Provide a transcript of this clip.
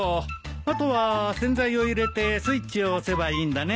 あとは洗剤を入れてスイッチを押せばいいんだね。